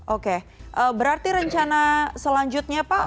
oke berarti rencana selanjutnya pak